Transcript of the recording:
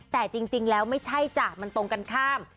แต่จริงแล้วไม่ใช่จ้ะมันตรงกันข้าม